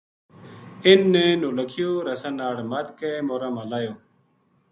انھ نے نولکھیو رسا ناڑ مدھ کے مورا ما لاہیو